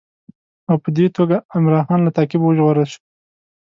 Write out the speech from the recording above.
او په دې توګه عمرا خان له تعقیبه وژغورل شو.